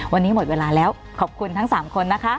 วันนี้หมดเวลาแล้วขอบคุณทั้ง๓คนนะคะ